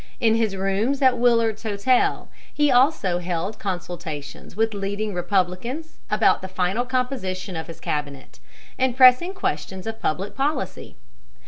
In his rooms at Willard's Hotel he also held consultations with leading Republicans about the final composition of his cabinet and pressing questions of public policy.